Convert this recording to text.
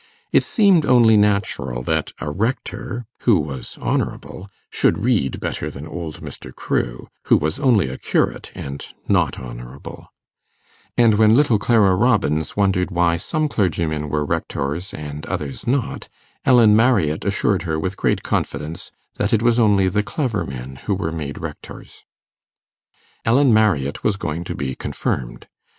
It seemed only natural that a rector, who was honourable, should read better than old Mr. Crewe, who was only a curate, and not honourable; and when little Clara Robins wondered why some clergymen were rectors and others not, Ellen Marriott assured her with great confidence that it was only the clever men who were made rectors. Ellen Marriott was going to be confirmed.